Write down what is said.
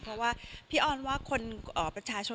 เพราะว่าพี่ออนว่าคนประชาชน